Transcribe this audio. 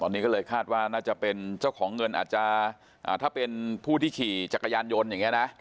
ตอนนี้ก็เลยคาดว่าน่าจะเป็นเจ้าของเงินอาจจะถ้าเป็นผู้ที่ขี่จักรยานยนต์อย่างนี้นะ